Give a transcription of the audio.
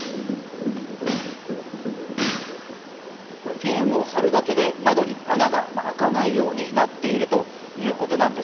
フィルムも貼るだけで窓に穴が開かないようになっているということなんです。